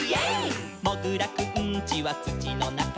「もぐらくんちはつちのなか」「」